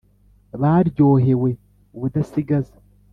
baryohewe ubudasigaza